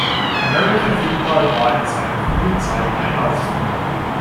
American Football war in seinen frühen Zeiten ein Laufspiel.